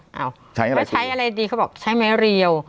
แล้วใช้อะไรดีเขาบอกใช้ไม้เรียว